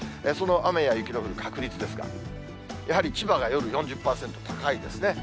その雨や雪の降る確率ですが、やはり千葉が夜４０％、高いですね。